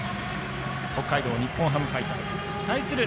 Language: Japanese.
北海道日本ハムファイターズ。対する